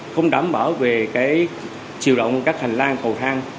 không đảm bảo về chiều động các hành lang cầu thang